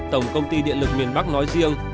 tổng công ty điện lực miền bắc nói riêng